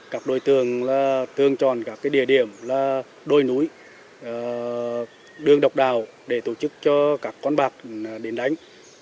các đối tượng thường chọn các địa điểm là đồi núi đường độc đào để tổ chức cho các con bạc đến đánh